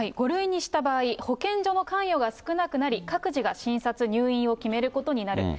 ５類にした場合、保健所の関与が少なくなり、各自が診察、入院を決めることになる。